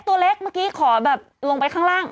ตัวเล็กเมื่อกี้ขอแบบลงไปข้างล่าง